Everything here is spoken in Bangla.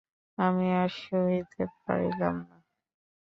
আমি আর সহিতে পরিলাম না।